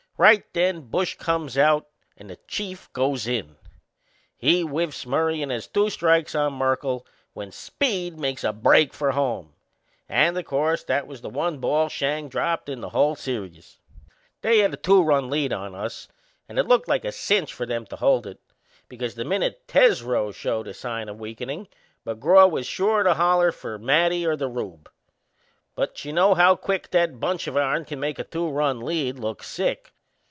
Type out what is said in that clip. Right then Bush comes out and the Chief goes in. He whiffs Murray and has two strikes on Merkle when Speed makes a break for home and, o' course, that was the one ball Schang dropped in the whole serious! They had a two run lead on us then and it looked like a cinch for them to hold it, because the minute Tesreau showed a sign o' weakenin' McGraw was sure to holler for Matty or the Rube. But you know how quick that bunch of ourn can make a two run lead look sick.